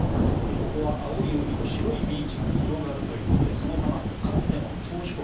ここは青い海と白いビーチが広がるということでその様、かつての宗主国